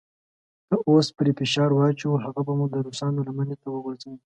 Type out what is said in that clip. که اوس پرې فشار واچوو هغه به مو د روسانو لمنې ته وغورځوي.